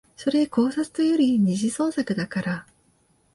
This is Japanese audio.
それ考察というより二次創作だから